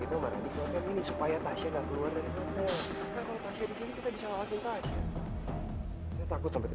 itu makanya supaya tasya dan keluar dari luar tasya disini kita bisa ngawetin takut sampai